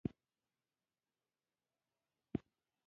استاد بینوا د پښتو ژبې رسمي کول غوښتل.